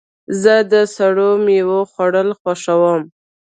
زه د سړو میوو خوړل خوښوم.